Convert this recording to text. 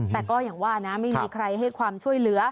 แต่ก็อย่างว่านะไม่มีใครให้ความช่วยเหลือ